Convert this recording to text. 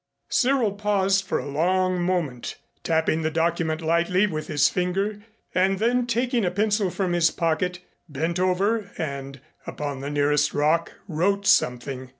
Cyril paused for a long moment, tapping the document lightly with his finger and then taking a pencil from his pocket bent over and upon the nearest rock wrote something.